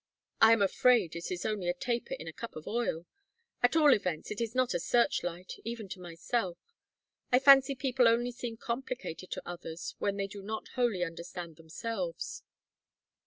"I am afraid it is only a taper in a cup of oil. At all events it is not a search light, even to myself. I fancy people only seem complicated to others when they do not wholly understand themselves."